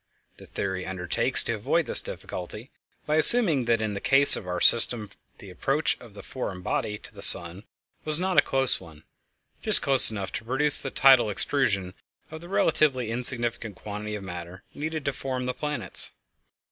The theory undertakes to avoid this difficulty by assuming that in the case of our system the approach of the foreign body to the sun was not a close one—just close enough to produce the tidal extrusion of the relatively insignificant quantity of matter needed to form the planets.